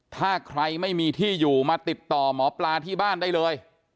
ถ้าใครไม่มีที่อยู่มาติดต่อหมอปลาที่บ้านได้เลย